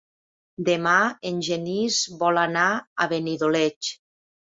Demà en Genís vol anar a Benidoleig.